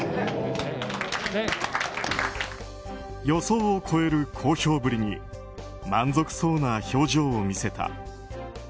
予想を超える好評ぶりに満足そうな表情を見せた。